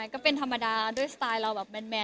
ก็เป็นธรรมดาด้วยสไตล์เราแบบแมน